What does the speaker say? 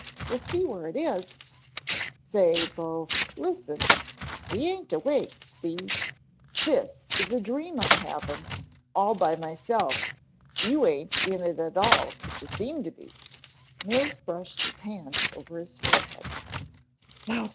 We'll see where it is " "Say, Bo, listen, we aint awake, see! This is a dream I'm havin', all by myself, you aint in it at all, but you seem to be." Mills brushed his hand over his forehead.